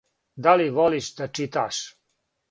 Да ли волиш да читаш?